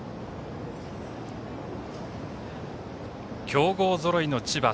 強豪ぞろいの千葉。